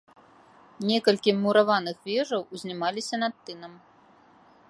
Некалькі мураваных вежаў узнімалася над тынам.